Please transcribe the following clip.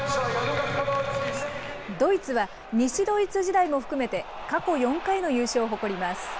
ドイツは西ドイツ時代も含めて過去４回の優勝を誇ります。